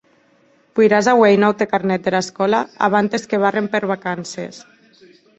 Poiràs auer un aute carnet dera escòla abantes que barren per vacances.